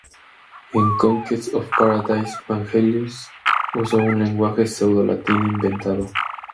En "Conquest of Paradise" Vangelis usó un lenguaje "pseudo-latín" inventado.